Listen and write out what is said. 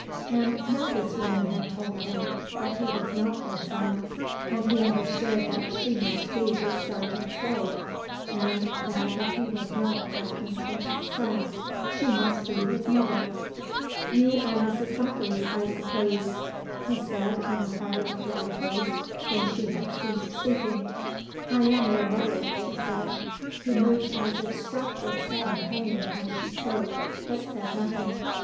And now this woman had told him that he was not their son; and he understood that she must be this sergeant's wife, and that if he was not Captain Clinton's son she must be his mother. "You are Mrs. Humphreys, I suppose?" he said in a hard, dry voice when she had ceased speaking. "I am your mother," she said. He moved as if struck with sudden pain as she spoke, but said nothing.